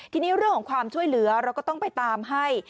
ทีนี้เรื่องของความช่วยเหลือเราก็ต้องไปตามให้